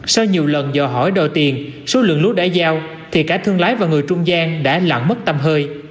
sau nhiều lần giờ hỏi đòi tiền số lượng lúa đã giao thì cả thương lái và người trung gian đã lặn mất tâm hơi